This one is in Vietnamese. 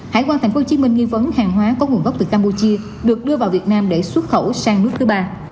hải quan tp hcm nghi vấn hàng hóa có nguồn gốc từ campuchia được đưa vào việt nam để xuất khẩu sang nước thứ ba